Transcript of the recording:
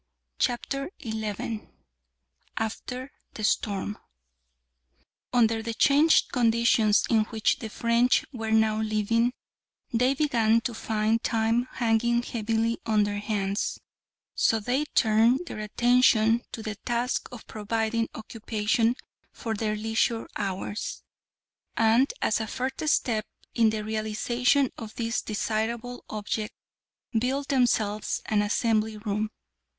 CHAPTER XI AFTER THE STORM Under the changed conditions in which the French were now living they began to find time hanging heavily on their hands, so they turned their attention to the task of providing occupation for their leisure hours, and as a first step in the realisation of this desirable object built themselves an assembly room.